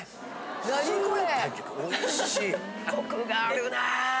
コクがあるな。